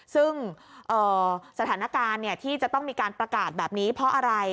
ซึ่งสถานการณ์ที่จะต้องมีการประกาศแบบนี้เพราะอะไร